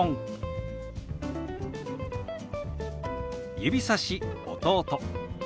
「指さし弟」。